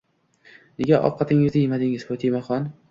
Nega ovqatingizni yemadingiz, Fotimaxon?